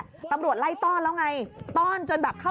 ลงล่างรถไฟมาครับลงล่างรถไฟมาครับ